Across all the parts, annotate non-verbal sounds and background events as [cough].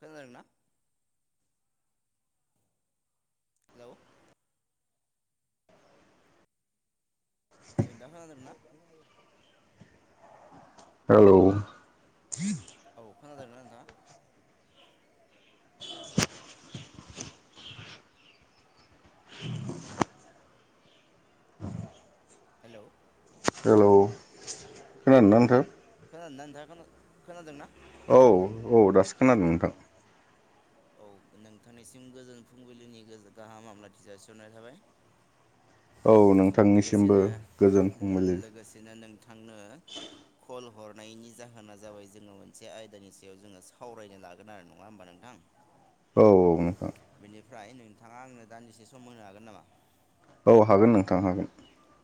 खोनादों ना हेलौ [inaudible] दा खोनादोंना औ औ खोनादों ना नोंथा हेलौ हेलौ खोनादोंना नोंथां खोनादों ना नोंथाङा खोनादों ना औ औ दासो खोनादों नोंथां औ नोंथांनिसिम गोजोन फुंबिलिनि गाहाम हामलायथि जासिहरनाय थाबाय लोगोसेनो उम लोगोसेनो नोंथांनो कल हरनायनि जाहोना जाबाय जोङो मोनसे आयदानि सायाव जोङो सावरायनो लागोन आरो नङा होमबा नोंथां औ औ नोंथां बेनिफ्राय नोंथाङा आंनो दान्दिसे सम होनो हागोन नामा औ हागोन नोंथां हागोन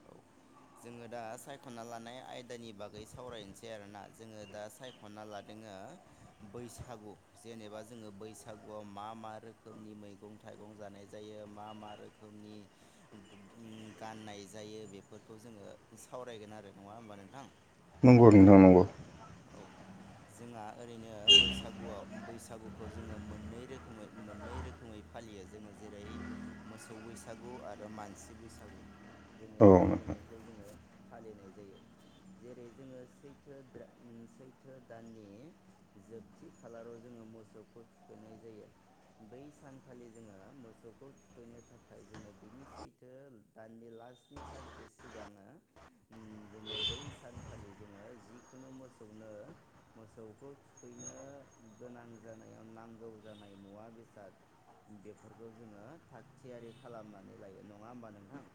औ जोङो दा सायख'ना लानाय आयदानि बागै सावरायनोसै आरोना जोङो दा सायख खना लादोङो बैसागु जेनेबा जोङो बैसागुआव मा मा रोखोमनि मैगं थाइगं जानाय जायो मा मा रोखोमनि गाननाय जायो बेफोरखौ जोङो सावरायगोन आरो नङा होमबा नोंथां नंगौ नोंथां नंगौ औ जोंहा ओरैनो बैसागुआव बैसागुखौ जोङो मोननै रोखोमै मोननै रोखोमै फालियो जोङो जेरै मोसौ बैसागु आरो मानसि बैसागु जोङो बे मोननैखौ जोङो फालिनाय जायो जेरै जोङो सैथो दान उम सैथो दाननि जोबथि खालाराव जोङो मोसौखौ थुखैनाय जायो बै सानखालि जोङो मोसौखौ थुखैनो थाखाय जोङो बिनि सैथो दाननि लास्टनि सानसे सिगाङो जोङो बै सानखालि जोङो जिखुनु मोसौनो मोसौखौ थुखैनो गोनां जानायाव नांगौ जानाय मुवा बेसाद बेफोरखौ जोङो थाग थियारि खालामनानै लायो नङा होमबा नोंथां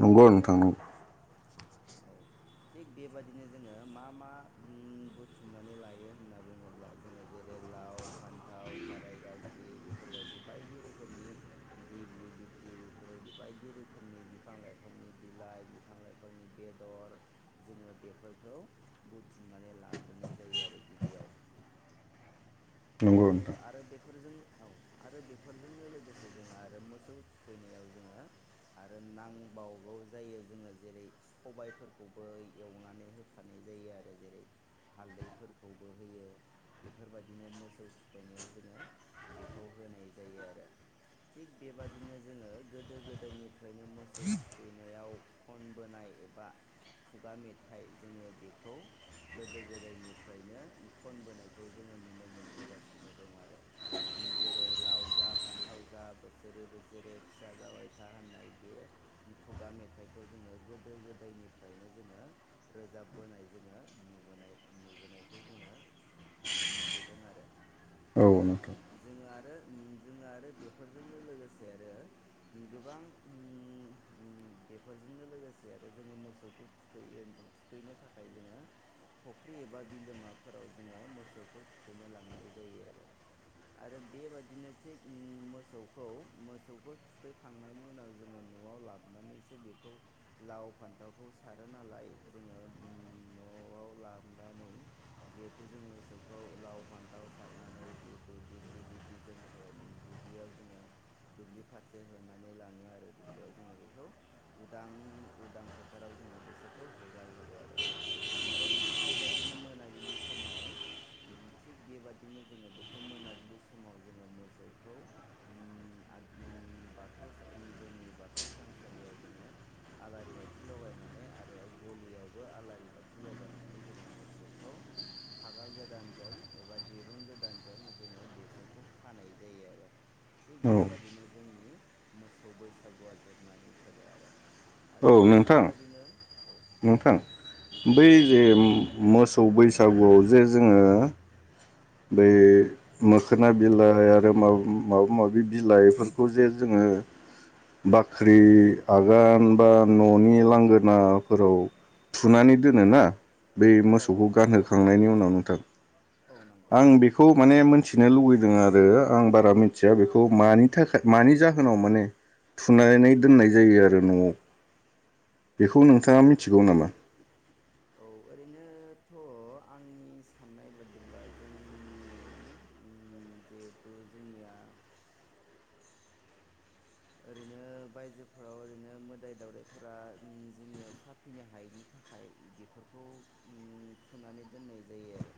नंगौ नोंथां नंगौ अ [unintelligible] औ थिग बेबाददिनो जोङो मा मा बुथुमनानै लायो होनना बुङोब्ला जोङो जेरै लाव फान्थाव थाराय गाज्लि बेफोरबायदि बायदि रोखोमनि दिग्लि दिथि बेफोरबायदि बायदि रोखोमनि बिफां लाइफांनि बिलाइ बिफां लाइफांनि बेदर जोङो बेफोरखौ बुथुमनानै लाग्रोनाय जायो आरो गिबियाव आरो बे आरो बेफोरजों औ आरो बेफोरजोंनो लोगोसे जों आरो मोसौ खुबैनायाव जोङो आरो नांबावगौ जायो जोङो जेरै सबायफोरखौबो एवनानै होफानाय जायो आरो जेरै हालदैफोरखौबो होयो बेफोरबायदिनो मोसौ मोसौ थुखैनायाव जोङो बेखौ होनाय जायो आरो थिग बेबादिनो जोङो गोदो गोदायनिफ्रायनो मोसौ थुखैनायाव खनबोनाय एबा खुगा मेथाइ जोङो बेखौ गोदो गोदायनिफ्रायनो खनबोनायखौ जोङो नुनो मोनबोगासिनो दं आरो जेरै लाव जा फान्थाव जा बोसोरै बोसोरै फिसा जावाय था होननाय बे खुगा मेथाइखौ जोङो गोदो गोदायनिफ्रायनो जोङो रोजाबबोनाय जोङो नुबोनाय नुबोनायखौ जोङो नुबोदों आरो औ नोंथां जोङो आरो जोङो आरो बेफोरजोंनो लोगोसे आरो गोबां बेफोरजोंनो लोगोसे आरो जोङो मोसौफोरखौ थुखैयो थुखैनो थाखाय जोङो फख्रि एबा बिलोमाफोराव जोङो मोसौखौ थुखैनो लांनाय जायो आरो आरो बेबादिनो थिग मोसौखौ मोसौखौ थुखैखांनायनि उनाव जोङो न'आव लाबोनानैसो बेखौ लाव फान्थावखौ सारो नालाय जोङो न'आव लाबनानै जिहेथु जों मोसौखौ लाव फान्थाव सारनानै जिहेतु दिगलिथिजों जों दुब्लियाव जोङो दुब्लि फारसे होनानै लाङो आरो दुब्लियाव जोङो बेखौ उदां उदां फोथाराव जोङो बिसोरखौ होगारहरो आरो आरो थिग बेबादिनो मोनाबिलि समाव थिग बेबाद बिदिनो जोङो बेखौ मोनाबिलि समाव जोङो मोसौखौ बाथौ जोंनि बाथौ थानसालियाव जोङो आलारि बाथि लगायनानै आरो गलियावबो आलारि बाथि लगायनानै जोङो मोसौ खौ फागा गोदानजों एबा दिरुं गोदानजों जोङो बेसोरखौ खानाय जायो आरो थिग बेबादिनो जोंनि मोसौ बैसागुआ जोबनानै थोगो आरो आरो थिग बेबादिनो औ नोंथां बै जे मोसौ बैसागुआव जे जोङो बै मोखोना बिलाइ आरो माबा माबि बिलाइफोरखौ जे जोङो बाख्रि आगान बा न'नि लांगोनाफोराव फुनानै दोनो ना बे मोसौखौ गानहोखांनायनि उनाव नोंथां [inaudible] आं बेखौ माने मोनथिनो लुुबैदों आरो आं बारा मिथिया बेखौ मानि थाखाय मानि जाहोनाव माने थुनानै दोननाय जायो आरो न'आव बेखौ नोंथाङा मिथिगौ नामा औ ओरैनोथ' आंनि साननाय बादिब्ला जोंनि ओम जिहेथु जोंनिया ओरैनो बायजोफोराव ओरैनो मोदाय दावदायफोरा ओम जोंनियाव साफिनो हायैनि थाखा थाखाय बेफोरखौ थुनानै दोननाय जायो आरो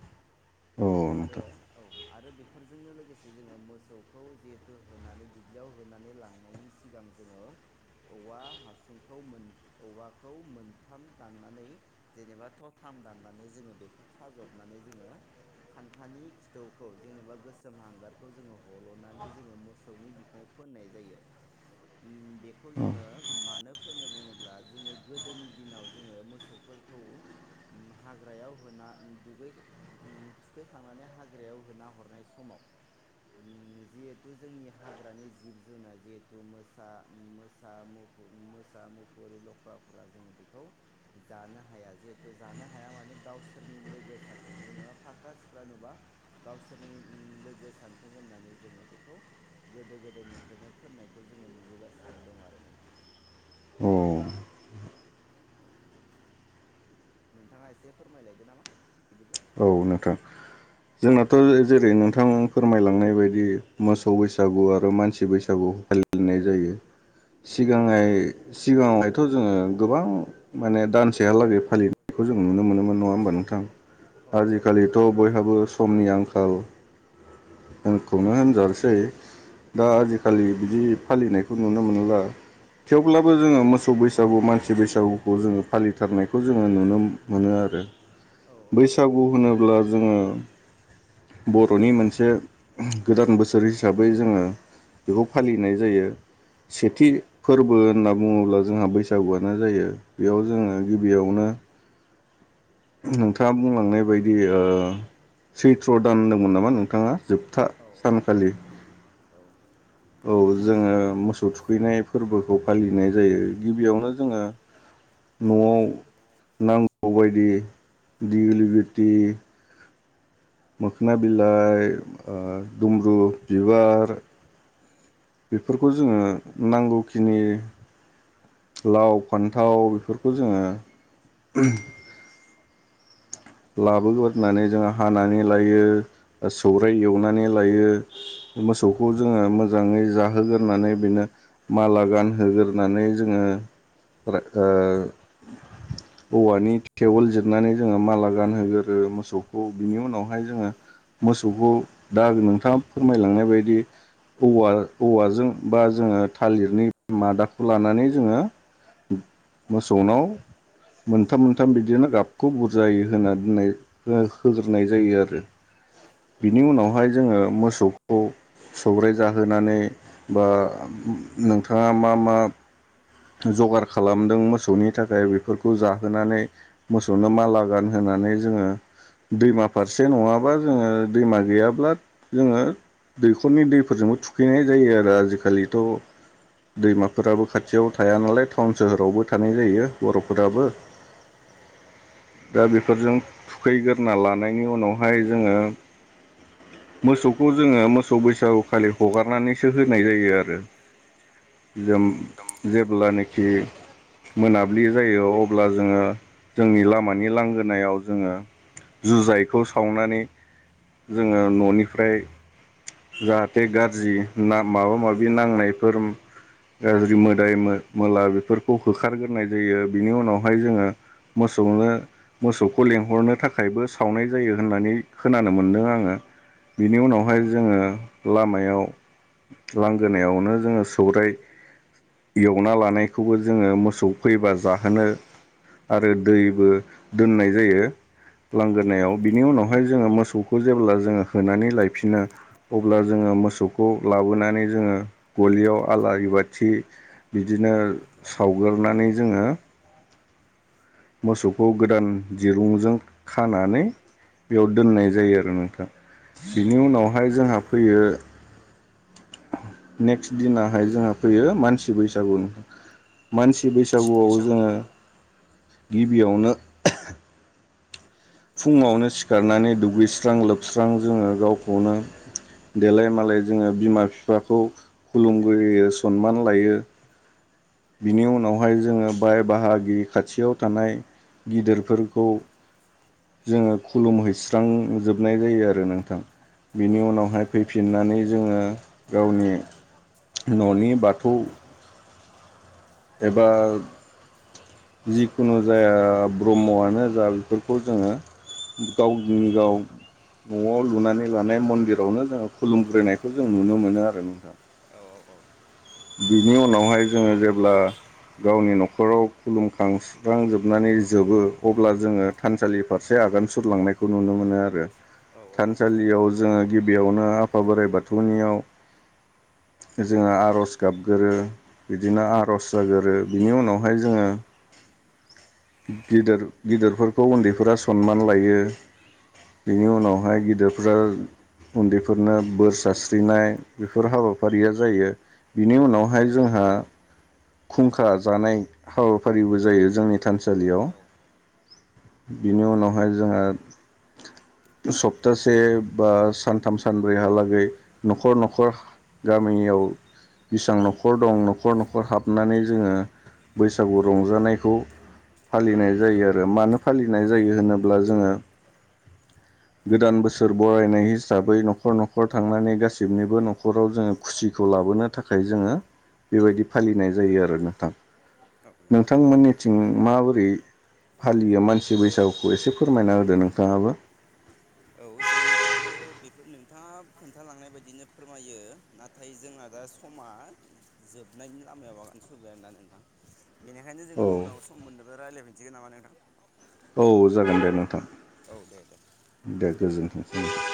आरो औ आरो बेफोरजोंनो लोगोसे जोङो मोसौखौ जिहेथु होनानै दुब्लियाव होनानै लांनायनि सिगां जोङो औवा हासुंखौ औवाखौ मोनथाम दाननानै जेनेबा थथाम दाननानै जोङो बेखौ खाजबनानै जोङो खान्थानि खिथौखौ जेनेबा गोसोम हांगारखौ जोङो हलनानै जोङो मोसौनि बिखुङाव फोननाय जायो उम बेखौ जोङो मानो फोनो बुङोब्ला जोङो गोदोनि दिनाव जोङो मोसौ फोरखौ हाग्रायाव होना दुगै [unintelligible] थुखैखांनानै हाग्रायाव होना हरनाय समाव जिहेथु जोंनि हाग्रानि जिब जुुनार जिहेथु मोसा मोसा मु मोसा मुफुरि लख्राफोरा जोङो बेखौ जानो हाया जिहेथु जानो हाया माने गावसोरनि लोगो सारजों जेनेबा फाख्रा सिख्रा नुबा गावसोरनि लोगो सानथों होननानै जोङो बेखौ गोदो गोदायनिफ्रायनो फोननायखौ जोङो नुबोगासिनो दं आरो नोंथां औ औ नोंथाङा एसे फोरमायलायदो नामा बिदिब्ला औ नोंथां जोंनाथ' जेरै नोंथां फोरमायलांनाय बायदि मोसौ बैसागु आरो मानसि बैसागु फालिनाय जायो [inaudible] सिगाङै सिगाङैथ' जोङो गोबां माने दानसेहालागै फालिनायखौ जों नुनो मोनोमोन नङा ओमबा नोंथां? आजिखालिथ' बयहाबो समनि आंखालखौनो होनजा दा आजिखालि बिदि फालिनायखौ नुनो मोनला। थेवब्लाबो जोङो मोसौ बैसागु मानसि बैसागुखौ जोङो फालिथारनायखौ जोङो नुनो मोन मोनो आरो औ औ नं खौ होनोब्ला जोङो बर'नि मोनसे गोदान बोसोर हिसाबै जोङो बेखौ फालिनाय जायो। सेथि फोरबो होनना बुङोब्ला जोंहा बैसागुआनो जायो। बेयाव जोङो गिबियावनो नोंथाङा बुंलांनाय बायदि ओ सैत्र दान होनदोंमोन नामा नोंथाङा जोबथा सानखालि औ औ जोङो मोसौ थुखैनाय फोरबोखौ फालिनाय जायो गिबियावनो जोङो [inaudible] न'वाव नांगौबायदि दिगलिगुति मोखोना बिलाइ दुमब्रु बिबार बेफोरखौ जोङो नांगौखिनि लाव फान्थाव बेफोरखौ जोङो लाबोग्रोनानै जोंङो हानानै लायो सौराइ एवनानै लायो। मोसौखौ जोङो मोजाङै जाहोग्रोनानै बिनो माला गानहोग्रोनानै जोङो ओ औवानि टेंवोल जिरनानै जोङो माला गानहोगोरो मोसौखौ बिनि उनावहाय जोङो मोसौखौ दा नोंथाङा फोरमायलांनाय बायदि औवा औवाजों बा जोङो थालिरनि मादाखौ लानानै जोङो मोसौनाव मोनथाम मोनथाम बिदिनो गाबखौ बुरजायो होना दोननाय हो होजोबनाय जायो आरो बिनि उनावहाय जोङो मोसौ खौ सौगराय जाहोनानै बा नोंथाङा मा मा? जगार खालामदों मोसौनि थाखाय बेफोरखौ जाहोनानै मोसौनो माला गानहोनानै जोङो दैमा फारसे नङाबा जोङो दैमा गैयाब्ला जोङो दैखरनि दैफोरजोंबो थुखैनाय जायो आरो आजिखालिथ' दैमाफोराबो खाथि खाथियाव थाया नालाय टाउन सोहोरावबो थानाय जायो बर'फोराबो दा बेफोरजों थुखैगोरना लानायनि उनावहाय जोङो मोसौखौ जोङो मोसौ बैसागुखालि हगारनानैसो होनाय जायो आरो। औ जेब्लानोखि मोनाबिलि जायो अब्ला जोङो जोंनि लामानि लांगोनायाव जोङो जुजाइखौ सावनानै जोङो न'निफ्राय जाहाथे गारजि नाम माबा माबि नांनायफोर गाज्रि मो दाय मो-मोला बेफोरखौ होखारगोरनाय जायो बिनि उनावहाय जोङो मोसौनो मोसौखौ लेंहरनो थाखायबो सावनाय जायो होननानै खोनानो मोन्दों आङो बिनि उनावहाय जोङो लामायाव लांगोनायावनो जोङो सौराय एवना लानायखौबो जोङो मोसौ फैबा जाहोनो आरो दैबो दोननाय जायो। लांगोनायाव बिनि उनावहाय जोङो मोसौखौ जेब्ला जोङो होनानै लायफिनो अब्ला जोङो मोसौखौ लाबोनानै जोङो गलियाव आलारि बाथि बिदिनो सावगोरनानै जोङो मोसौखौ गोदान दिरुंजों खानानै बेयाव दोननाय जायो आरो नोंथां बिनि उनावहाय जोंहा फैयो नेक्स्ट दिनाहाय जोंहा फैयो मानसि बैसागु मानसि बैसागुआव जोङो गिबियावनो फुङावनो सिखारनानै दुगैस्रां- लोबस्रां जोङो गावखौनो देलाय -मालाय जोङो बिमा -फिफाखौ खुलुमग्रोयो सनमान लायो। बिनि उनावहाय जोङो बाय- बाहागि खाथियाव थानाय गिदिरफोरखौ जोङो खुलुमहैस्रांजोबनाय जायो आरो नोंथां। बिनि उनावहाय फैफिननानै जोङो गावनि न'नि बाथौ एबा जिखुनु जाया ब्रह्मआनो जा बेफोरखौ जोङो गावजों गाव न'आव लुनानै लानाय मन्दिरावनो जोङो खुलुमग्रोनायखौ जों नुनो मोनो आरो नोंथां। औ औ औ। बिनि उनावहाय जोङो जेब्ला गावनि न'खराव खुलुमखां [unintelligible] जोबनानै जोबो अब्ला जोङो थानसालि फारसे आगान सुरलांनायखौ नुनो मोनो आरो। थानसालियाव जोङो गिबियावनो आफा बोराइ बाथौनियाव जोङो आर'ज गाबगोरो बिदिनो आर'ज जागोरो बिनि उनावहाय जोङो गिदिर गिदिरफोरखौ उन्दैफोरा सनमान लायो। बिनि उनावहाय गिदिरफोरा। उन्दैफोरनो बोर सारस्रिनाय बेफोर हाबाफारिया जायो। बिनि उनावहाय जोंहा खुंखा जानाय हाबाफारिबो जायो जोंनि थानसालियाव बिनि उनावहाय जोंङो सप्तासे बा सानथाम सानब्रैहालागै न'खर- न'खर गामियाव बेसां न'खर दं न'खर न'खर हाबनानै जोङो बैसागु रंजानायखौ फालिनाय जायो आरो मानो फालिनाय जायो होनोब्ला जोङो [inaudible] गोदान बोसोर बरायनाय हिसाबै न'खर-न'खर थांनानै गासैबनिबो न'खराव जोङो खुसिखौ लाबोनो थाखाय जोङो बेबायदि फालिनाय जायो आरो नोंथां नोंथांमोननिथिं माबोरै फालियो मानसि बैसागुखौ एसे फोरमायना होदो नोंथाङाबो औ ओ जोंनिखिबो बेफोर नोंथाङा खोन्थालांनाय बायदिनो फोरमायो ना नाथाय जोंना दा समा जोबनायनि लामायाव आगान सुरबाय आरोना नोंथां बेनिखायनो जोङो उनाव सम मोनोबा रायलायफिनसिगोन नामा नोंथां? औ जागोन दे नोंथां। औ दे दे दे गोजोन्थोंसै।